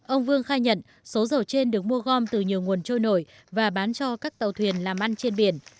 ông vương khai nhận số dầu trên được mua gom từ nhiều nguồn trôi nổi và bán cho các tàu thuyền làm ăn trên biển